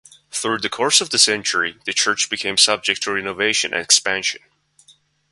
Through the course of the century the church became subject to renovation and expansion.